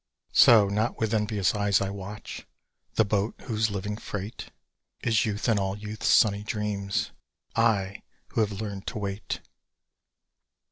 So not with envious eyes I watch The boat whose living freight Is youth and all youth's sunny dreams I, who have learned to wait!